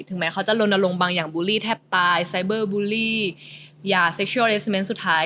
ถึงแม้เขาจะโดนอารมณ์บางอย่างบูลลี่แทบตายไซเบอร์บูลลี่ยาเซ็กชัวร์เอสเมนต์สุดท้าย